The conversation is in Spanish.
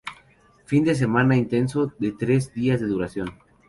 Fin de semana intenso de tres días de duración.